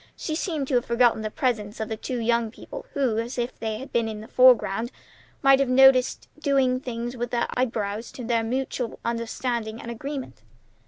She seemed to have forgotten the presence of the two young people, who, if they had been in the foreground, might have been noticed doing things with their eyebrows to their mutual understanding and agreement.